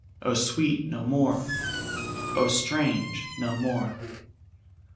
_ O sweet No more! O strange _No more!